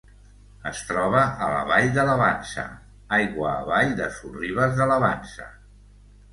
Es troba a la vall de la Vansa, aigua avall de Sorribes de la Vansa.